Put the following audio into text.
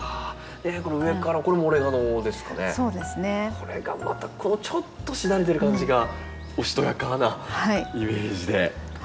これがまたちょっとしだれてる感じがおしとやかなイメージで。